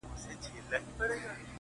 • ستا د خولې خندا يې خوښه سـوېده؛